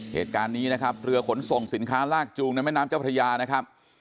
เหตุการณ์นี้นะครับเรือขนส่งสินค้าลากจูงในแม่น้ำเจ้าพระยานะครับ